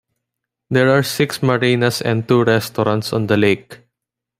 There are six marinas and two restaurants on the lake.